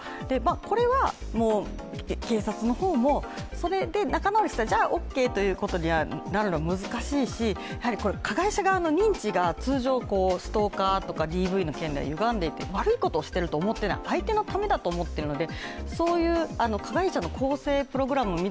これはもう警察の方もそれで仲直りした、じゃあオーケーということになるのは難しいし、加害者側の認知が通常、ストーカーとかＤＶの件ではゆがんでいて、悪いことをしていると思っていない、相手のためだと思っているので。